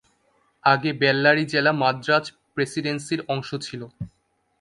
আগে বেল্লারী জেলা মাদ্রাজ প্রেসিডেন্সির অংশ ছিল।